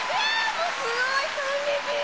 もうすごい感激！